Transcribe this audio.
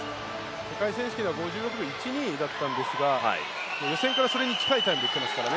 世界選手権では５６秒１２でしたが予選からそれに近いタイムできてます。